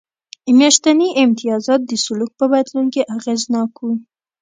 میاشتني امتیازات د سلوک په بدلون کې اغېزناک و.